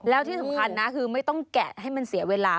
แล้วที่สำคัญนะคือไม่ต้องแกะให้มันเสียเวลา